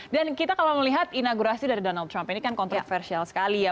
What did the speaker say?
dan kita kalau melihat inaugurasi dari donald trump ini kan kontroversial sekali ya